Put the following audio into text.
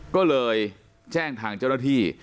ก็เลยแจ้งทางเจ้าหน้าที่